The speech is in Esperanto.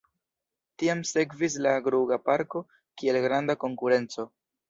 Tiam sekvis la Gruga-Parko kiel granda konkurenco.